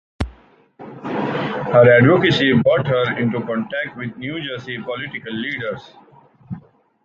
Her advocacy work brought her into contact with New Jersey political leaders.